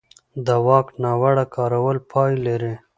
د واک ناوړه کارول پای لري